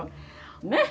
ねっ！